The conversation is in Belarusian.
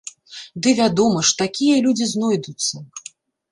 Ды вядома ж, такія людзі знойдуцца!